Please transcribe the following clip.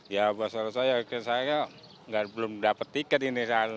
ya boa saloso ya saya belum dapat tiket ini